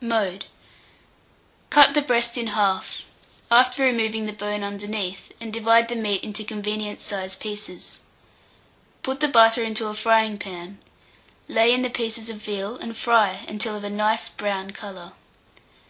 Mode. Cut the breast in half, after removing the bone underneath, and divide the meat into convenient sized pieces. Put the butter into a frying pan, lay in the pieces of veal, and fry until of a nice brown colour.